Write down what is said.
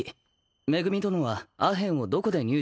恵殿はアヘンをどこで入手したでござるか？